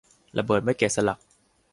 ระเบิดไม่แกะสลัก